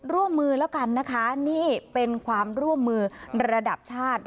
ร่วมมือแล้วกันนะคะนี่เป็นความร่วมมือระดับชาติ